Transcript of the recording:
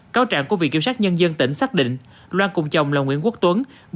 cáo trạng của viện kiểm sát nhân dân tỉnh xác định loan cùng chồng là nguyễn quốc tuấn